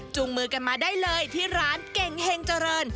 มือกันมาได้เลยที่ร้านเก่งเฮงเจริญ